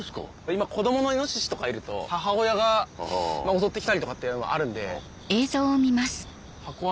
今子どものイノシシとかいると母親が襲ってきたりとかっていうのもあるんで。